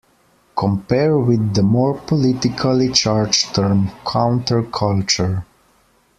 Compare with the more politically charged term, counterculture.